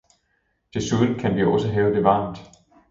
Desuden kan vi også have det varmt!